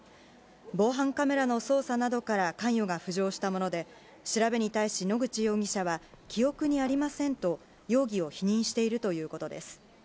防犯カメラの捜査などから関与が浮上したもので、調べに対し野口容疑者は、記憶にありませんと、容疑を否認しているということです。